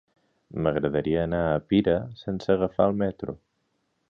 M'agradaria anar a Pira sense agafar el metro.